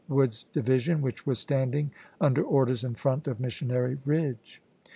Wood's di^d siou, which was standing under orders in front of Missionary Ridge.